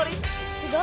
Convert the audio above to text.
すごい！